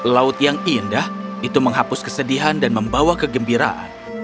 laut yang indah itu menghapus kesedihan dan membawa kegembiraan